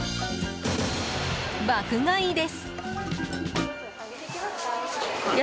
爆買いです！